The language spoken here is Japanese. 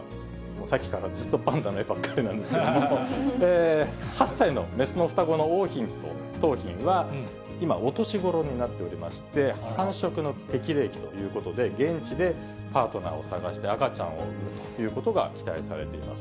さっきからずっとパンダの絵ばっかりなんですが、８歳の雌の双子の桜浜と桃浜は、今、お年頃になっていまして、繁殖の適齢期ということで、現地でパートナーを探して、赤ちゃんを産むということが期待されています。